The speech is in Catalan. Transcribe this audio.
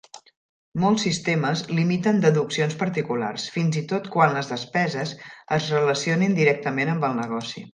Molts sistemes limiten deduccions particulars, fins i tot quan les despeses es relacionin directament amb el negoci.